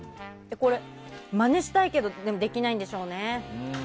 まねしたいけどでもできないんでしょうね。